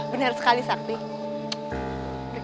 bener sekali sakti